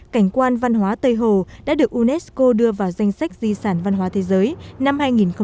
cảnh quan văn hóa tây hồ đã được unesco đưa vào danh sách di sản văn hóa thế giới năm hai nghìn một mươi tám